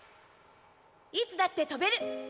いつだって飛べる！